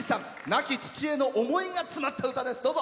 亡き父への思いが詰まった歌です。